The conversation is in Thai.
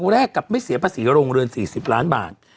แรกกับไม่เสียภาษีโรงเรือน๔๐ล้านบาท